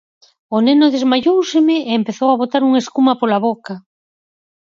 O neno desmaióuseme e empezou a botar unha escuma pola boca.